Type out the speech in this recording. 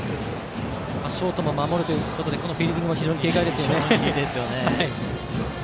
ショートも守るということでこのフィールディングも非常に軽快ですよね。